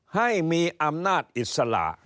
ให้มีอำนาจอิสระ